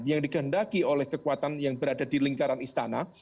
yang digendaki oleh kekuatan yang berada di lingkaran istana